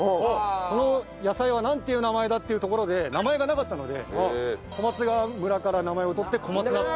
この野菜はなんていう名前だ？というところで名前がなかったので小松川村から名前を取って小松菜と。